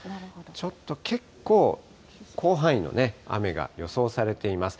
ちょっと結構、広範囲の雨が予想されています。